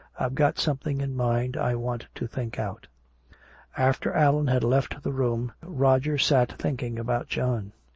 I've got something in mind I want to think out." After Allan had left the room, Roger sat thinking about John.